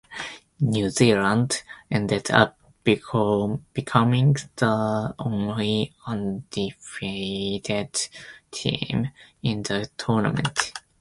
New Zealand ended up becoming the only 'undefeated' team in the tournament.